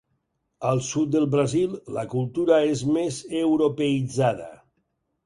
Al sud del Brasil, la cultura és més europeïtzada.